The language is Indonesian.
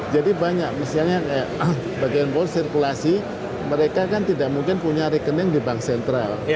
jadi banyak misalnya bagian bawah sirkulasi mereka kan tidak mungkin punya rekening di bank sentral